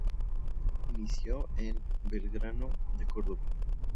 Se inició en Belgrano de Córdoba.